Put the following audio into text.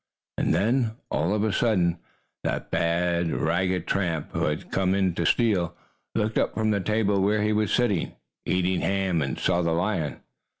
And then, all of a sudden, that bad, ragged tramp, who had come in to steal, looked up from the table where he was sitting, eating ham, and saw the lion.